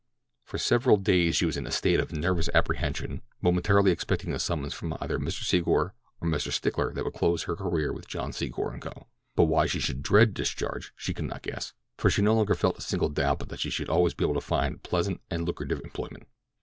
For several days she was in a state of nervous apprehension, momentarily expecting a summons from either Mr. Secor or Mr. Stickler that would close her career with John Secor & Co.; but why she should dread discharge she could not guess, for she no longer felt a single doubt but that she should always be able to find pleasant and lucrative employment.